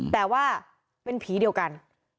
แต่ว่าเป็นผีเดียวกัน